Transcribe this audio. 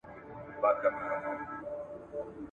ځم راته یو څوک په انتظار دی بیا به نه وینو ..